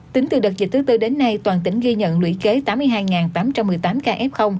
tính từ đợt dịch thứ tư đến nay toàn tỉnh ghi nhận lũy kế tám mươi hai tám trăm một mươi tám ca f